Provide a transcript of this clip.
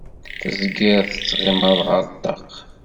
Tezgiḍ tettɣamaḍ ar ṭṭaq.